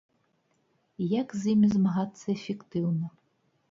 Як з імі змагацца эфектыўна?